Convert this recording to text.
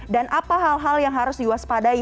dan apa hal hal yang harus diwaspadai